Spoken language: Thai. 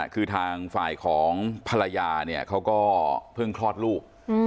คือทางฝ่ายของภรรยาเนี่ยเขาก็เพิ่งคลอดลูก